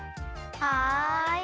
はい。